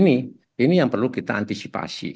ini yang perlu kita antisipasi